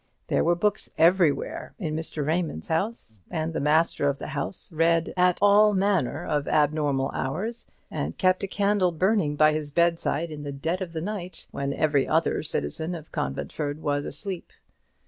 There were books everywhere in Mr. Raymond's house; and the master of the house read at all manner of abnormal hours, and kept a candle burning by his bedside in the dead of the night, when every other citizen of Conventford was asleep.